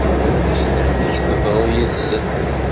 Wissen amek teḍru yid-sen?